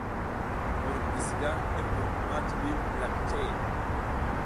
Mbur giziga i mbur ma tiɓi mukak te.